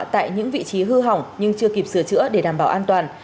tại những vị trí hư hỏng nhưng chưa kịp sửa chữa để đảm bảo an toàn